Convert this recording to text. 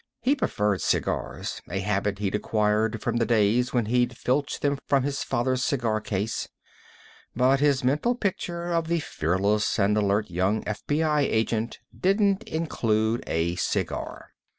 He preferred cigars, a habit he'd acquired from the days when he'd filched them from his father's cigar case, but his mental picture of the fearless and alert young FBI agent didn't include a cigar.